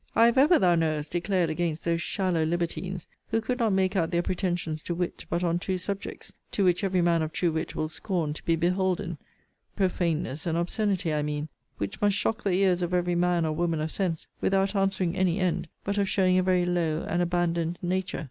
I have ever, thou knowest, declared against those shallow libertines, who could not make out their pretensions to wit, but on two subjects, to which every man of true wit will scorn to be beholden: PROFANENESS and OBSCENITY, I mean; which must shock the ears of every man or woman of sense, without answering any end, but of showing a very low and abandoned nature.